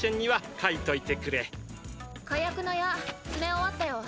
火薬の矢詰め終わったよ。